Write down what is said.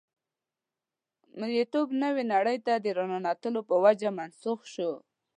مرییتوب نوې نړۍ ته د ورننوتو په وجه منسوخ شو.